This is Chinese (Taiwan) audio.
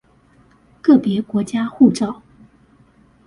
個別國家護照